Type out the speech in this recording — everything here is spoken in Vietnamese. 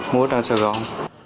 mua ở trang sài gòn